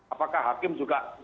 apakah hakim juga